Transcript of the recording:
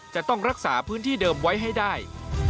จะต้องรักษาพื้นที่เดิมไว้ให้ได้